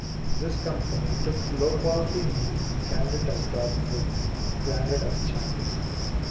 This company took low-quality meat and canned it as dog food, branded as "Chappie".